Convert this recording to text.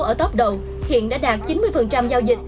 ở tốc đầu hiện đã đạt chín mươi giao dịch